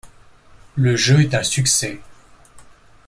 Le jeu est un succès.